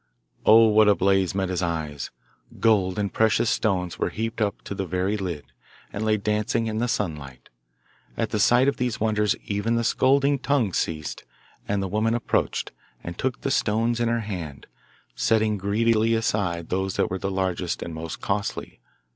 Oh, what a blaze met his eyes! gold and precious stones were heaped up to the very lid, and lay dancing in he sunlight. At the sight of these wonders even the scolding tongue ceased, and the woman approached, and took the stones in her hand, setting greedily aside those that were the largest and most costly.